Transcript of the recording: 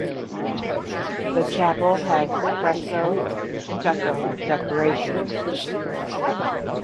The chapel has fresco and stucco decorations.